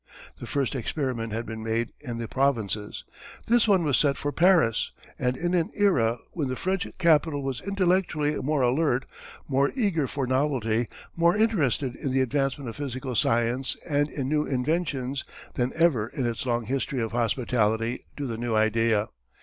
The first experiment had been made in the provinces. This one was set for Paris, and in an era when the French capital was intellectually more alert, more eager for novelty, more interested in the advancement of physical science and in new inventions than ever in its long history of hospitality to the new idea.